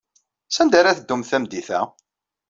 Sanda ara teddumt tameddit-a?